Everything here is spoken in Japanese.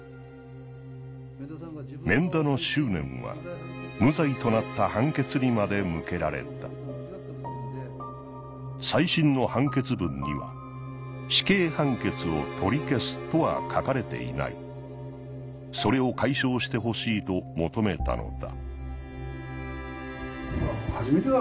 免田の執念は無罪となった判決にまで向けられた再審の判決文には「死刑判決を取り消す」とは書かれていないそれを解消してほしいと求めたのだ